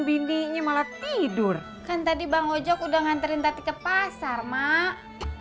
bintiknya malah tidur kan tadi bang ojak udah nganterin tapi ke pasar mak